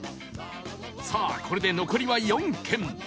さあこれで残りは４軒